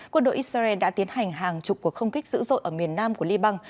quân đội israel đã tiến hành hàng chục cuộc không kích dữ dội ở miền nam của liban